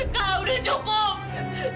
kak udah cukup